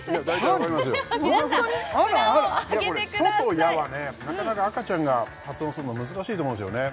いやこれ「そ」と「や」はなかなか赤ちゃんが発音するの難しいと思うんですよね